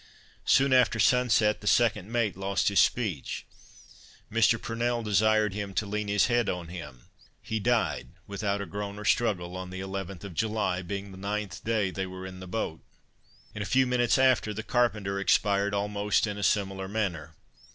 Soon after sunset the second mate lost his speech. Mr. Purnell desired him to lean his head on him; he died, without a groan or struggle, on the 11th of July, being the 9th day they were in the boat. In a few minutes after, the carpenter expired almost in a similar manner.